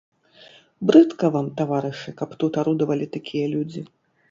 Брыдка вам, таварышы, каб тут арудавалі такія людзі.